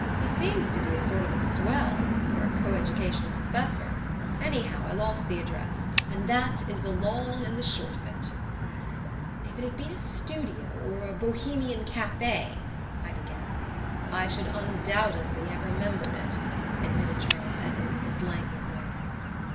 He seems to be a sort of a swell for a coeducational professor anyhow, I lost the address; and that is the long and short of it." "If it had been a studio or a Bohemian cafe " I began. "I should undoubtedly have remembered it," admitted Charles Edward, in his languid way.